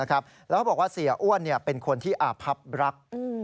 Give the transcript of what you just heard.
แล้วเขาบอกว่าเสียอ้วนเป็นคนที่อาพับรัก